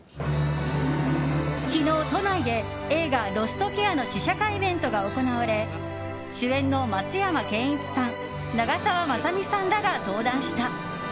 昨日、都内で映画「ロストケア」の試写会イベントが行われ主演の松山ケンイチさん長澤まさみさんらが登壇した。